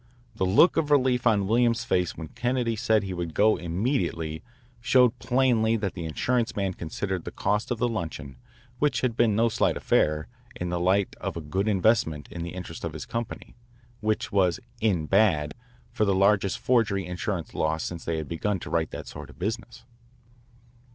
The look of relief on Williams's face when Kennedy said he would go immediately showed plainly that the insurance man considered the cost of the luncheon, which had been no slight affair, in the light of a good investment in the interest of his company, which was "in bad" for the largest forgery insurance loss since they had begun to write that sort of business.